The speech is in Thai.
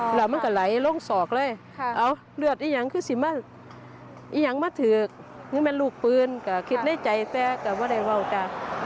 เหล่ามันก็ไหลลงสอกเลยเอาเลือดอียางคือสิม่ะอียางมาถือกนึงมันลูกปืนก็คิดในใจแป๊กก็ว่าไหนว่าวจ้ะ